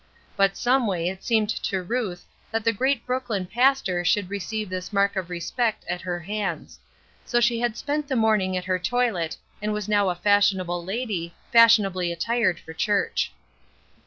But someway it seemed to Ruth that the great Brooklyn pastor should receive this mark of respect at her hands; so she had spent the morning at her toilet and was now a fashionable lady, fashionably attired for church.